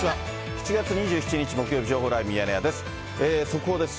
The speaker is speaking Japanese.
７月２７日木曜日、情報ライブミヤネ屋です。